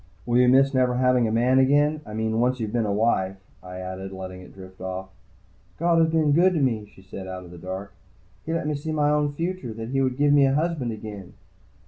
"Will you miss never having a man again? I mean, once you've been a wife " I added, letting it drift off. "God has been good to me," she said out of the dark. "He let me see my own future, that he would give me a husband again."